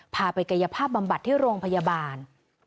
พาไปกายภาพบำบัดที่โรงพยาบาล